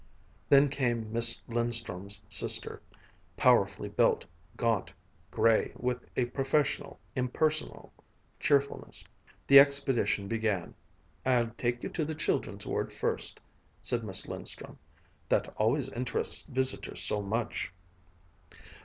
Then came Miss Lindström's sister, powerfully built, gaunt, gray, with a professional, impersonal cheerfulness. The expedition began. "I'll take you to the children's ward first," said Miss Lindström; "that always interests visitors so much...."